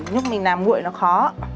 lúc mình làm nguội nó khó